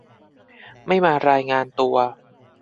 ไม่มารายงานตัว